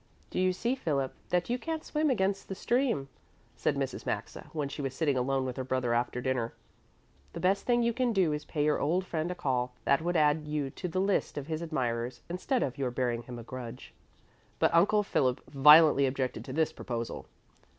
"Do you see, Philip, that you can't swim against the stream?" said Mrs. Maxa when she was sitting alone with her brother after dinner. "The best thing you can do is to pay your old friend a call; that would add you to the list of his admirers, instead of your bearing him a grudge." But Uncle Philip violently objected to this proposal.